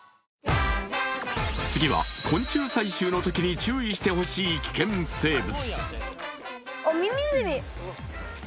次は昆虫採集のときに注意してほしい危険生物。